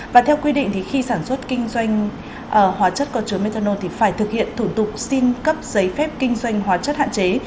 và theo quy định thì khi sản xuất kinh doanh hóa chất có chứa methanol thì phải thực hiện thủ tục xin cấp giấy phép kinh doanh hóa chất hạn chế